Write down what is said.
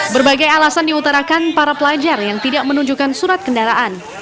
berbagai alasan diutarakan para pelajar yang tidak menunjukkan surat kendaraan